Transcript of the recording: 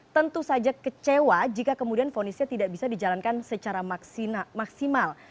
tentu saja kecewa jika kemudian fonisnya tidak bisa dijalankan secara maksimal